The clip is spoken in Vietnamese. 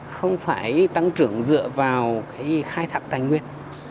không phải tăng trưởng dựa vào cái khai thác tài nguyên